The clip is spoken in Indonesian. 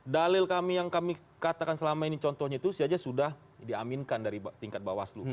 dalil kami yang kami katakan selama ini contohnya itu saja sudah diaminkan dari tingkat bawah seluruh